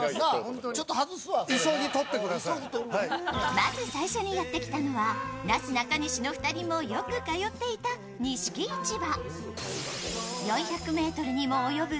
まず最初にやってきたのは、なすなかにしの２人もよく通っていた錦市場。